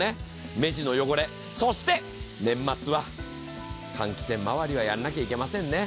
目地の汚れ、そして年末は換気扇回りはやらなくちゃいけません。